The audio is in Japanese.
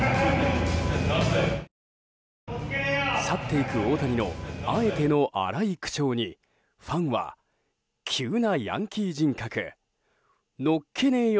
去っていく大谷のあえての荒い口調にファンは、急なヤンキー人格のっけねーよ！